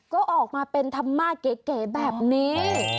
ก็ออกมาเป็นธรรมาศเก๋แบบนี้